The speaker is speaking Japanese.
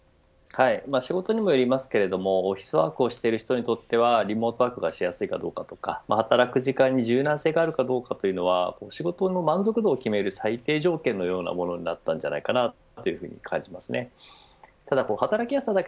仕事にもよりますけれどもオフィスワークをしている人にとってはリモートワークがしやすいかどうかとか、働く時間に柔軟性があるかどうかは仕事の満足度を決める最低条件のようなものになったんじゃないかなと感じます。